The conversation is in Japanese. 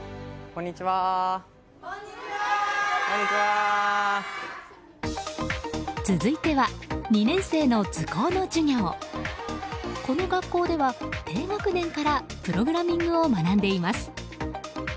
この学校では低学年からプログラミングを学んでいます。